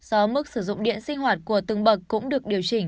do mức sử dụng điện sinh hoạt của từng bậc cũng được điều chỉnh